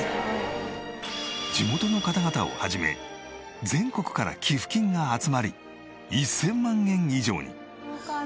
地元の方々を始め全国から寄付金が集まり１０００万円以上に。